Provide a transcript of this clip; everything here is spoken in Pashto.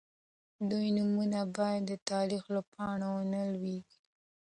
د دوی نومونه باید د تاریخ له پاڼو ونه لوېږي.